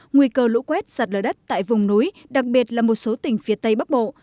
nguy cơ lũ quét sạt lở đất tại vùng núi đặc biệt là một số tỉnh phía tây bắc bộ